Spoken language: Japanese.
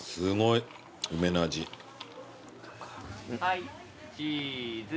・はいチーズ。